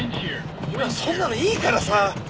今そんなのいいからさ！